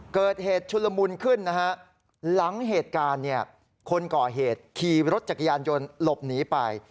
เกิดเหตุชุลมุนขึ้นนะฮะหลังเหตุการณ์คนก่อเหตุขี่รถจักรยานจนหลบหนีไป